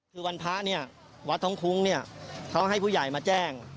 คือวันพระเนี่ยวัดท้องคุ้งเนี่ยเขาให้ผู้ใหญ่มาแจ้ง